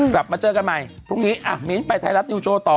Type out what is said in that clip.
กลับมาเจอกันใหม่พรุ่งนี้มิ้นไปไทยรัฐนิวโชว์ต่อ